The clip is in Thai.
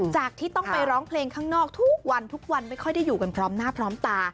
จากที่ต้องไปร้องเพลงข้างนอกทุกวันทุกวันไม่ค่อยได้อยู่กันพร้อมหน้าพร้อมตา